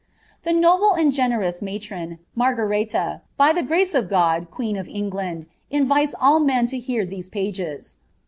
" The noble and generous matron, Margareia, by the gmcir of God, queen of England, invites all men to hear these pages."